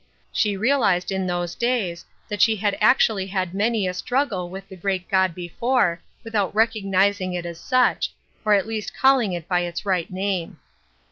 She realized in those days that she had actually had many a struggle with the great God before, without recognizing it as such, or at least calling it by its right name.